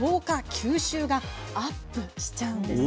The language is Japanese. ・吸収がアップしちゃうんです。